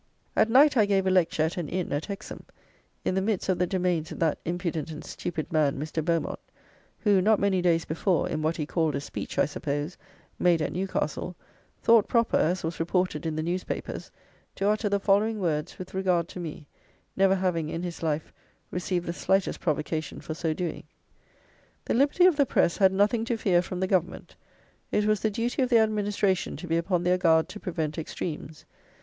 At night I gave a lecture at an inn, at Hexham, in the midst of the domains of that impudent and stupid man, Mr. Beaumont, who, not many days before, in what he called a speech, I suppose, made at Newcastle, thought proper, as was reported in the newspapers, to utter the following words with regard to me, never having, in his life, received the slightest provocation for so doing. "The liberty of the press had nothing to fear from the Government. It was the duty of the administration to be upon their guard to prevent extremes.